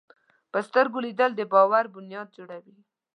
په سترګو لیدل د باور بنیاد جوړوي